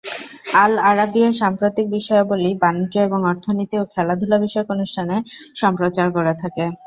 আল Arabiya সাম্প্রতিক বিষয়াবলি, বাণিজ্য এবং অর্থনীতি ও খেলাধূলা বিষয়ক অনুষ্ঠান সম্প্রচার করে থাকে।